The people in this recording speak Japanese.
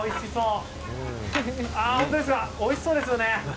おいしそうですよね。